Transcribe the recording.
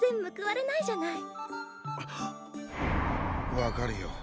分かるよ。